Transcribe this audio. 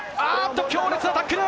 強烈なタックル！